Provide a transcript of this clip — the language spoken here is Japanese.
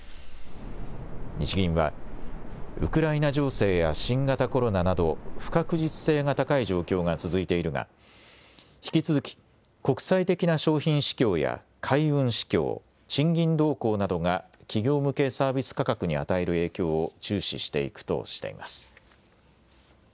日銀はウクライナ情勢や新型コロナなど不確実性が高い状況が続いているが引き続き国際的な商品市況や海運市況、賃金動向などが企業向けサービス価格に与える影響を注視していくとしています。